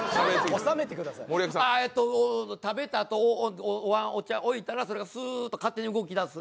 食べたあと、おわん置いたら、それがスーッと勝手に動きだす。